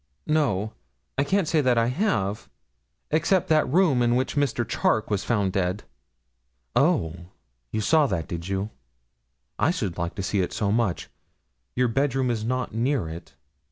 'No, I can't say I have, except that room in which Mr. Charke was found dead.' 'Oh! you saw that, did you? I should like to see it so much. Your bedroom is not near it?'